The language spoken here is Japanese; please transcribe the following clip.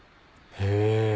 へぇ。